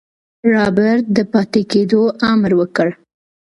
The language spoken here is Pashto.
رابرټ د پاتې کېدو امر وکړ.